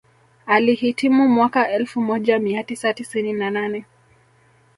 Alihitimu mwaka elfu moja mia tisa tisini na nane